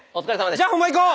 じゃあ本番いこう。